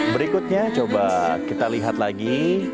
berikutnya coba kita lihat lagi